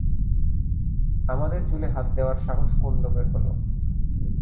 আমাদের চুলে হাত দেওয়ার সাহস কোন লোকের হলো?